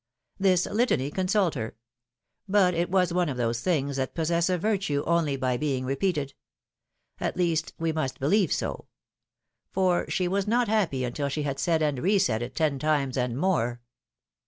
This litany consoled her ; but it was one of those things that possess a virtue only by being repeated — at least, we must believe so ; for she was not happy until she had said and re said it ten times and more.